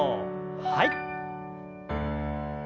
はい。